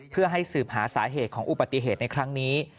เพื่อให้สืบหาสาเหตุของอุบัติเหตุในครั้งนี้